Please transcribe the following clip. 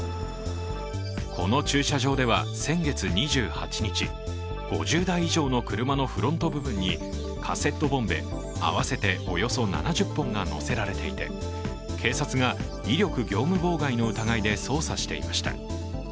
この駐車場では先月２８日、５０台以上の車のフロント部分にカセットボンベ合わせておよそ７０本が載せられていて警察が威力業務妨害の疑いで捜査していました。